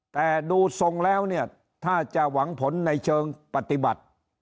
แต่ดูทรงแล้วเนี่ยถ้าจะหวังผลในเชิงปฏิบัติ